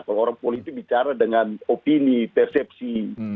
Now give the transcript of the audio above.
kalau orang politik bicara dengan opini persepsi